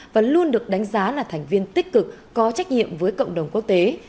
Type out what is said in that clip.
và luôn được đánh giá là thành viên tích cực có trách nhiệm với cộng đồng quốc tế